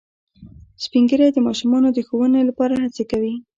سپین ږیری د ماشومانو د ښوونې لپاره هڅې کوي